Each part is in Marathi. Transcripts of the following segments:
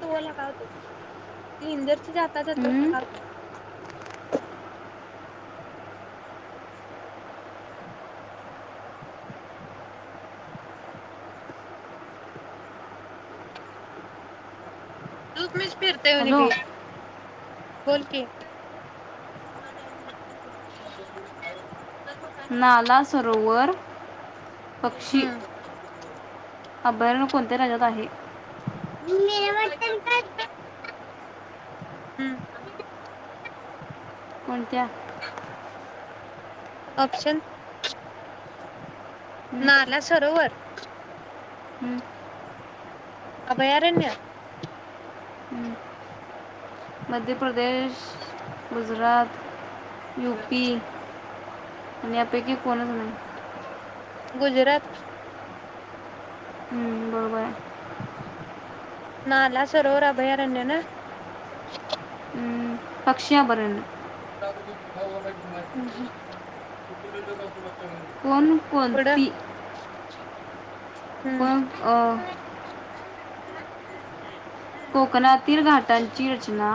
तो लगावतो क्ंजर जाताच्या त हं? लगावतो. मिच फिरते ह नि हॅलो बी. बोल कि. नाला सरोवर पक्षी अभयारण्य कोणत्या राज्यात आहे? [unintelligible] हम् कोणत्या? ऑप्शन. हं, नाला सरोवर. हम्म अभयारण्य. हं. मध्य प्रदेश. [inaudible] गुजरात. U P. आणि यापैकी कोनच नाही. गुजरात. हमम बरोबर हाय. नाला सरोवर अभयारण्य ना. हूं पक्षी अबरन. [unintelligible] कोण कोणती? हूं. कोण अ, [inaudible] कोकणातील घाटांची रचना.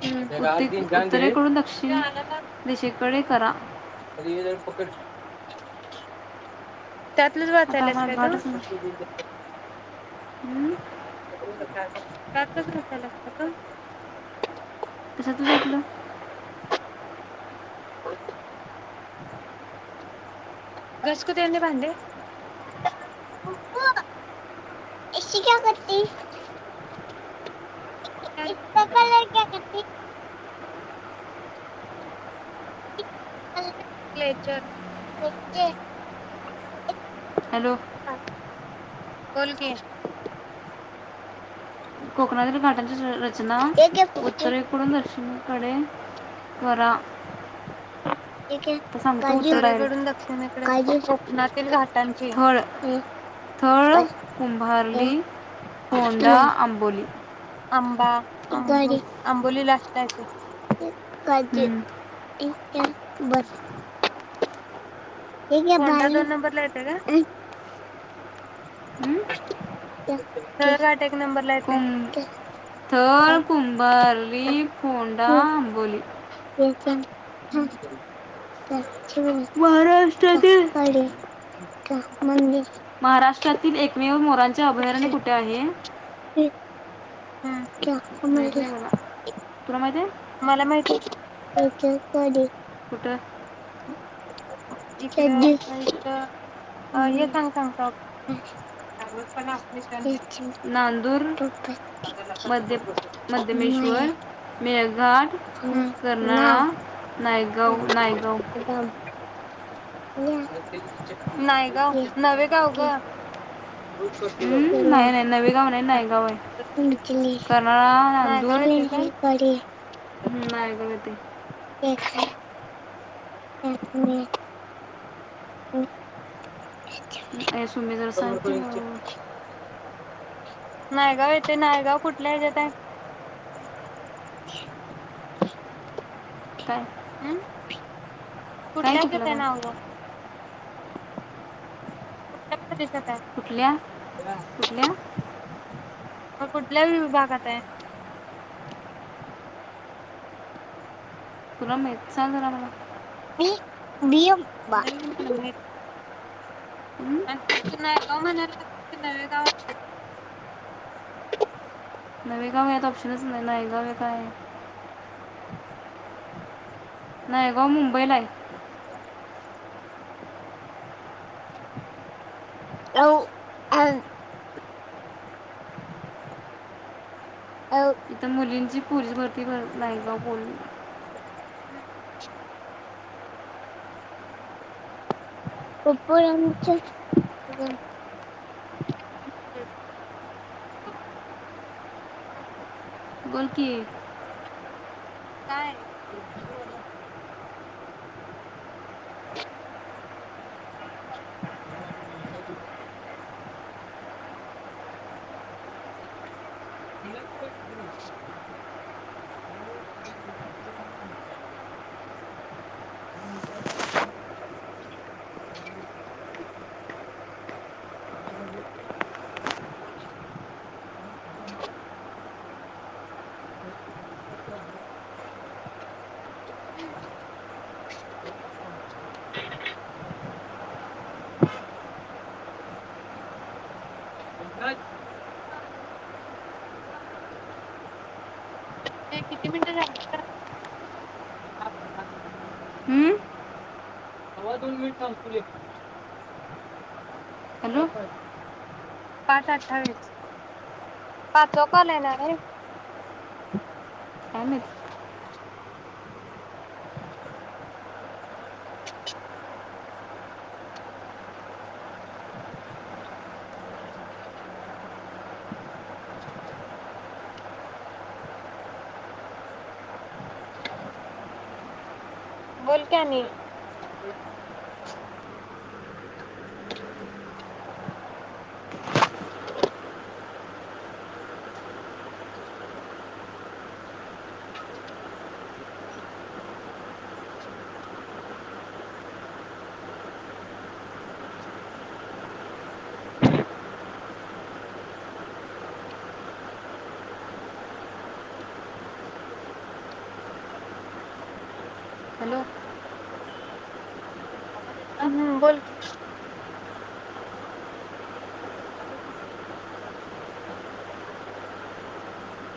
[unintelligible] [inaudible] उत्ते त्यातलच उत्तरेकडून दक्षिण दिशेकडे करा आता वाचायल्यास आम्हाला काय तू? घाटच ना [unintelligible] कशाच त्यातल [unintelligible] क्लेचर हॅलो बोल की, [unintelligible] र रचना एक एक फक्त उत्तरेकडून दक्षिण कडे वरा [unintelligible] उत्तरेकडून दक्षिणेकडे [unintelligible] थळ थळ, कुंभारली, होंडा, आंबोली आंबां आंबोली आंबोलीला असलाय ते हम्म. [inaudible] [unintelligible] [unintelligible] [unintelligible] होंडा दोन नंबर ला येतोय काय? हम्म? [unintelligible] नंबरला येतोय. कुं थळ, कुंबार्ली, फोंडा, अंबोली [inaudible] [inaudible] महाराष्ट्रातील का मंदि महाराष्ट्रातील एकमेव मो त्यांचे अभयारण्य कुठ आहे. [inaudible] [inaudible] माहित नाही मला तुला माहिती आहे मला माहिती हे [inaudible] कुठ [unintelligible] नांदूर मध्य नाही मध्यमेश्वर मेळघाट ना ना कर्नाळा नायगाव नायगाव [unintelligible] नायगावं नवे गाव ग नाही नाही नवेगाव नाही नायगाव आहे. केली कर्नाळा नायगाव लिहिलय [unintelligible] हम्म नायगाव हाय ते [inaudible] [unintelligible] [inaudible] ये सुमे जरा सांग की [inaudible] नायगाव येथे नायगाव कुठल्या ह्याज्याताय. [inaudible] काय [unintelligible] काय कुठल्या कुठलं ह्यज्यातय काय नायगाव. कुठल्या प्रदेशात आहे कुठल्या? कुठल्या? मग कुठल्या विभागातय? तुला [unintelligible] मला [unintelligible] हं? [inaudible] नवेगाव यात ऑप्शनच नाही, नायगाव एक काय आहे. नायगाव मुंबईलाय. [unintelligible] [inaudible] [inaudible] त मुलींची पोलिस भरती [inaudible] हं [inaudible] [unintelligible] बोल की. काय? [inaudible] [unintelligible] [unintelligible] [unintelligible] [unintelligible] [unintelligible] [unintelligible] किती मिनट झाली. [unintelligible] हं? सवा दोन मिनिट थांबतीले. हॅलो [unintelligible] पाच अठ्ठावीस, पाचवा कॉल येणारय? काय माहित [inaudible] [unintelligible] [unintelligible] बोल की आनी. [unintelligible] [unintelligible] हॅलो [unintelligible] [inaudible] हम्म बोल की. [unintelligible]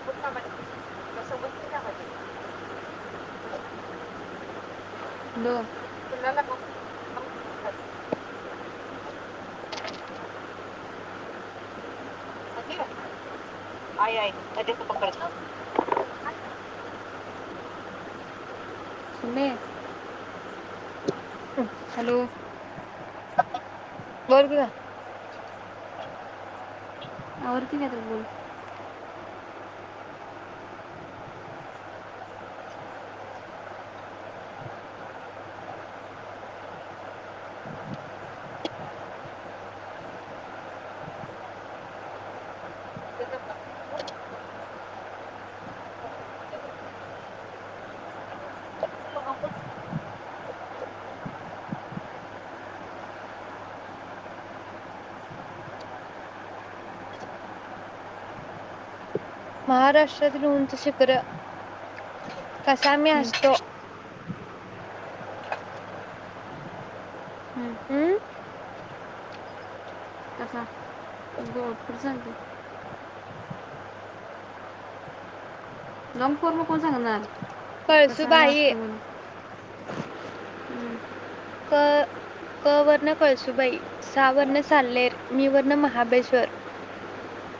[unintelligible] समजत त्यामध्ये. [unintelligible] दोन. [unintelligible] [unintelligible] सुनले [unintelligible] हॅलो. बर गं होर की नाही तर बोल. [inaudible] महाराष्ट्रातील उंच शिखर कसा मी हं, असतो. हं. हम्म. [unintelligible] [unintelligible] कोण सांगणार. कसा म कळसुबाई असतोय. क क वर्ण कळसुबाई सा वर्ण साल्हेर मी वर्ण महाबेश्वर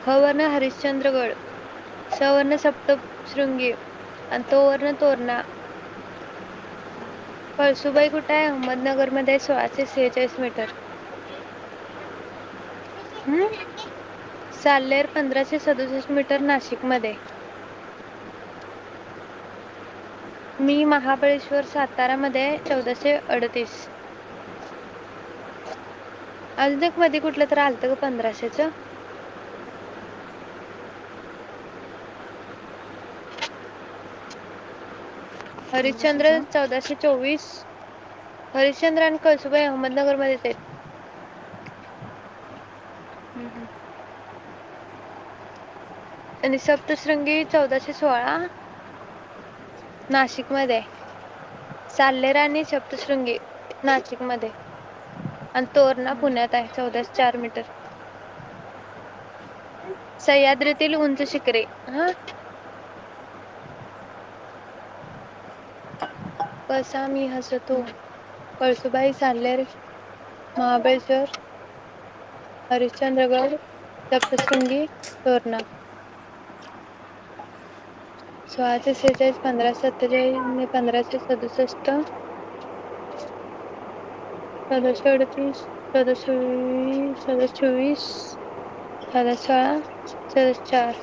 ह वर्ण हरिश्चंद्रगड स वर्ण सप्त शृंगी आणि तो वर्ण तोरणा. पळसुबाई कुठं आहे? अहमदनगर मध्ये सोळाशे सेहेचाळीस मीटर हम. साल्हेर पंधराशे सदुसष्ट मीटर नाशिक मध्ये. मी महाबळेश्वर, सातारा मध्ये चौदाशे अडतीस अजून एक मध कुठलं तर आलत ग पंधराशेच. हरिश्चंद्र पंधराशेच हं? चौदाशे चोवीस. हरिशचंद्र आणि कळसुबाई अहमदनगरमध्येच हाईत. हं, हं. आणि सप्तश्रृंगी चौदाशे सोळा नाशिक मध्ये हाय. साल्हेर आणि सप्तशृंगी नाशिक मध्ये आणि तोरणा पुण्यात हाय चौदाशे चार मीटर सह्याद्री तील उंच शिकरे. हां कसा मी हसतो कळसुबाई, साल्लेर, महाबळेश्वर, हरिश्चंद्रगड, सप्तशृंगी, तोरणा. सोळाशे सेचाळीस पंधराशे सत्तेचाळीस [unintelligible] पंधराशे सदुसष्ट. सदश अडतीस चदाशस चोव - - सदश चोवीस [unintelligible] सद चार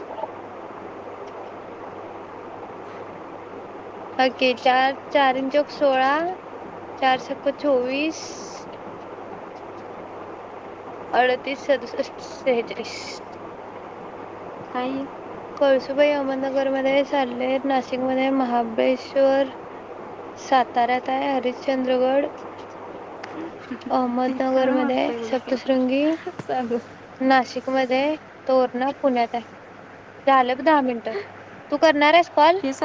अके चार चार इं चौक सोळा चार सक्क चोवीस अडतीस सदुसष्ट सेहेचाळीस. कायं कळसुबाई अहमदनगरमध्ये साल्लेर नाशिकमध्ये हाय महाबळेश्वर साताऱ्यात आहे हरिश्चंद्रगड ते खरं अहमदनगरमध्ये वाटतंय थोडंसं सप्तशृंगी. सांग नाशिकमध्ये तोरणा पुण्यात हाय झालंब दहा मिनट तू करणार हाइस. ते [unintelligible]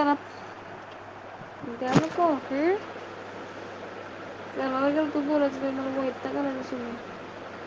हंम् [unintelligible] को हम्म [unintelligible] तू बोलायच बाई मला वैंताग आलायंब [unintelligible]